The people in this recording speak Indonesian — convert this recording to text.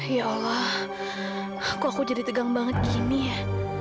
ya allah aku aku jadi tegang banget gini ya